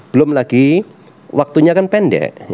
belum lagi waktunya kan pendek